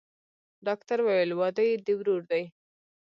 ډاکتر وويل واده يې د ورور دىه.